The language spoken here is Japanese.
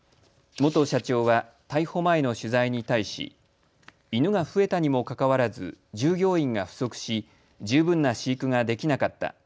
元社長は逮捕前の取材に対し、犬が増えたにもかかわらず従業員が不足し十分な飼育ができなかった。